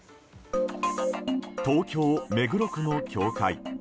東京・目黒区の教会。